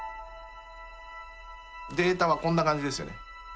データはこんな感じですよね。